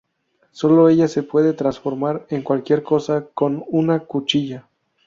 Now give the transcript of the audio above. Sólo ella se puede transformar en cualquier cosa con una cuchilla.